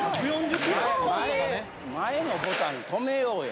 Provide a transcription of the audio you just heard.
前のボタンとめようよ。